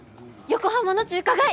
横浜の中華街！